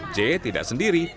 j tidak sendiri